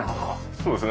そうですね。